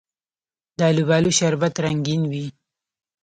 د الوبالو شربت رنګین وي.